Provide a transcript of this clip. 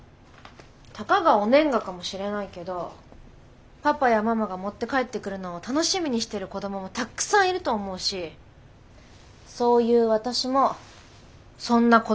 たかがお年賀かもしれないけどパパやママが持って帰ってくるのを楽しみにしてる子どももたくさんいると思うしそういう私もそんな子どもの一人だったしさ。